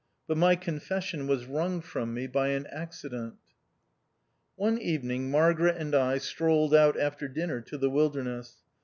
But my confession was wrung from me by an accident. One evening, Margaret and I strolled out after dinner to the wilderness.